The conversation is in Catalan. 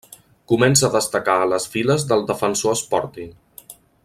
Comença a destacar a les files del Defensor Sporting.